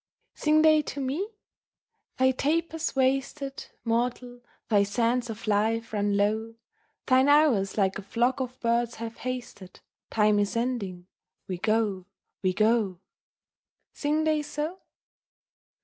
Sing they to me? 'Thy taper's wasted; Mortal, thy sands of life run low; Thine hours like a flock of birds have hasted: Time is ending; we go, we go.' Sing they so?